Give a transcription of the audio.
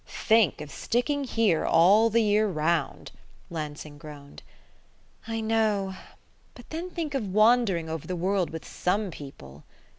"Think of sticking here all the year round!" Lansing groaned. "I know. But then think of wandering over the world with some people!"